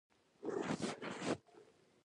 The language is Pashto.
دا څو کاله زموږ اکاډمیک تحقیقات همداسې دي.